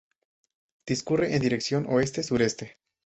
Discurre en dirección oeste-suroeste.